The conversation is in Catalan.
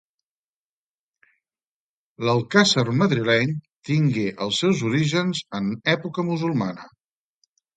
L'alcàsser madrileny tingué els seus orígens en època musulmana.